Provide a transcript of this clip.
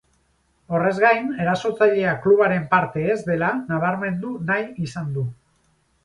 Horrez gain, erasotzailea klubaren parte ez dela nabarmendu nahi izan du.